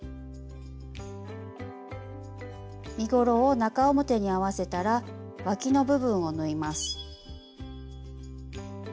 身ごろを中表に合わせたらわきの部分を縫います。